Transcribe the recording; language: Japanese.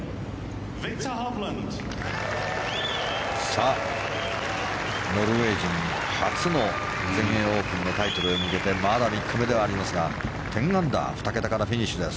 さあ、ノルウェー人初の全英オープンのタイトルへ向けてまだ３日目ではありますが１０アンダー、２桁から。